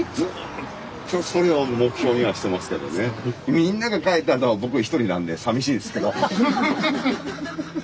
みんなが帰ったあとは僕１人なんでさみしいですけど。